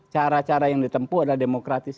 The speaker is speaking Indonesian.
cara cara yang ditempuh adalah demokratis